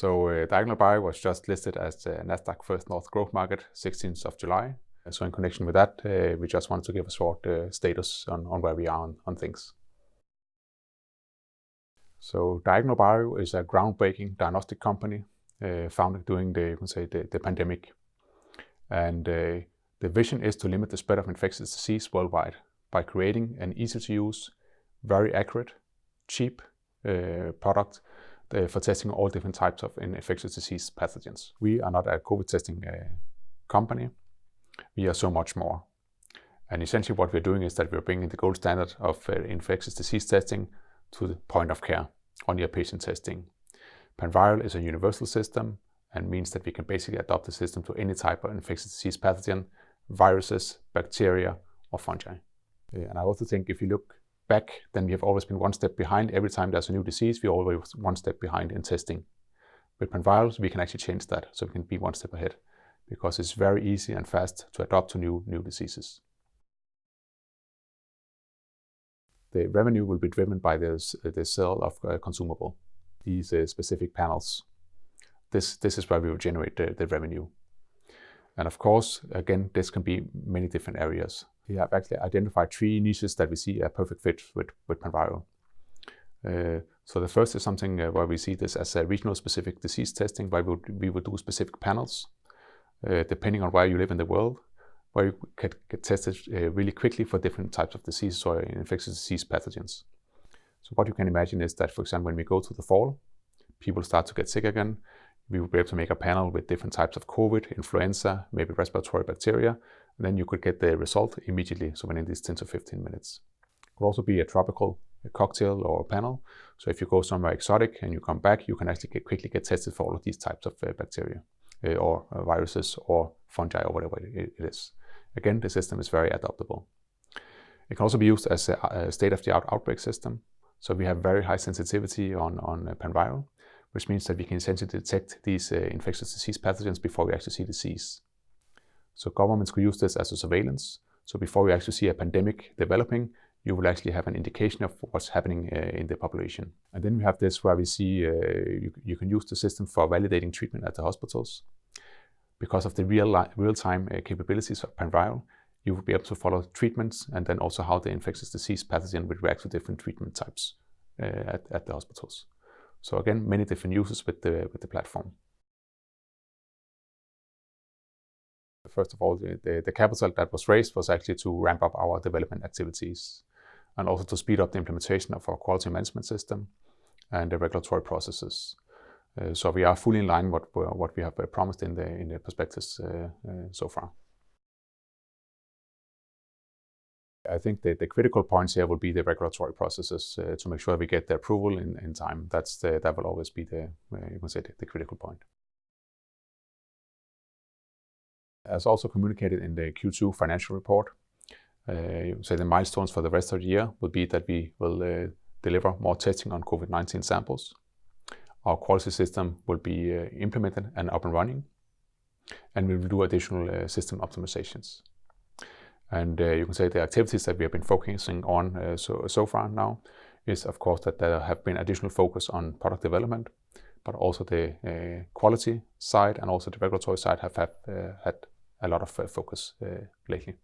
Diagonal Bio was just listed as a Nasdaq First North Growth Market July 16th. In connection with that, we just wanted to give a short status on where we are on things. Diagonal Bio is a groundbreaking diagnostic company founded during the, you can say, the pandemic. The vision is to limit the spread of infectious disease worldwide by creating an easy-to-use, very accurate, cheap product for testing all different types of infectious disease pathogens. We are not a COVID testing company. We are so much more. Essentially what we are doing is that we are bringing the gold standard of infectious disease testing to the point of care on your patient testing. PANVIRAL is a universal system and means that we can basically adapt the system to any type of infectious disease pathogen, viruses, bacteria, or fungi. I also think if you look back then we have always been one step behind. Every time there's a new disease, we're always one step behind in testing. With PANVIRAL, we can actually change that so we can be one step ahead because it's very easy and fast to adapt to new diseases. The revenue will be driven by the sale of consumable, these specific panels. This is where we will generate the revenue. Of course, again, this can be many different areas. We have actually identified three niches that we see a perfect fit with PANVIRAL. The first is something where we see this as a regional specific disease testing, where we will do specific panels, depending on where you live in the world, where you could get tested really quickly for different types of disease or infectious disease pathogens. What you can imagine is that, for example, when we go to the fall, people start to get sick again. We will be able to make a panel with different types of COVID, influenza, maybe respiratory bacteria, and then you could get the result immediately, so within these 10 minutes-15 minutes. Could also be a tropical cocktail or a panel, so if you go somewhere exotic and you come back, you can actually quickly get tested for all of these types of bacteria or viruses or fungi or whatever it is. Again, the system is very adaptable. It can also be used as a state-of-the-art outbreak system. We have very high sensitivity on PANVIRAL, which means that we can essentially detect these infectious disease pathogens before we actually see disease. Governments could use this as a surveillance. Before we actually see a pandemic developing, you will actually have an indication of what's happening in the population. We have this where we see you can use the system for validating treatment at the hospitals. Because of the real-time capabilities of PANVIRAL, you will be able to follow treatments and then also how the infectious disease pathogen will react to different treatment types at the hospitals. Again, many different uses with the platform. First of all, the capital that was raised was actually to ramp up our development activities and also to speed up the implementation of our quality management system and the regulatory processes. We are fully in line with what we have promised in the prospectus so far. I think that the critical points here will be the regulatory processes to make sure we get the approval in time. That will always be the, you can say, the critical point. As also communicated in the Q2 financial report, you can say the milestones for the rest of the year will be that we will deliver more testing on COVID-19 samples. Our quality system will be implemented and up and running, and we will do additional system optimizations. You can say the activities that we have been focusing on so far now is of course that there have been additional focus on product development, but also the quality side and also the regulatory side have had a lot of focus lately.